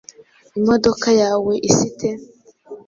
Imodoka yawe isa ite?